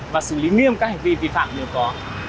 và xử lý nghiêm các hành vi vi phạm nếu có